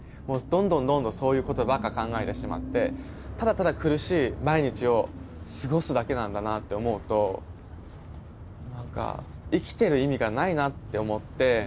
どんどんどんどんそういうことばっか考えてしまってただただ苦しい毎日を過ごすだけなんだなって思うと何か生きてる意味がないなって思って。